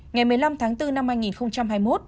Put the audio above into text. ngày một mươi năm tháng bốn năm hai nghìn hai mươi một